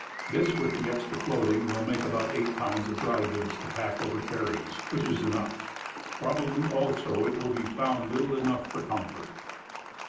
This, with the extra clothing, will make about eight pounds of dry goods to pack over carries, which is enough. Probably, also, it will be found little enough for comfort.